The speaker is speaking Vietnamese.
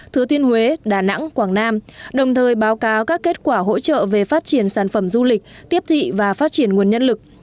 thứ tuyên huế đà nẵng quảng nam đồng thời báo cáo các kết quả hỗ trợ về phát triển sản phẩm du lịch tiếp thị và phát triển nguồn nhân lực